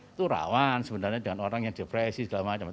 itu rawan sebenarnya dengan orang yang depresi segala macam